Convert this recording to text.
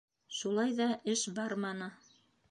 Шулай ҙа эш барманы.